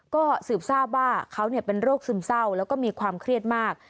ก็สืบทราบว่าเขาเป็นโรคซึมเศร้าแล้วก็มีความเครียดมาก